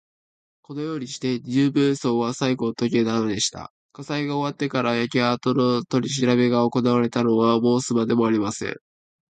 このようにして、二十面相はさいごをとげたのでした。火災が終わってから、焼けあとのとりしらべがおこなわれたのは申すまでもありません。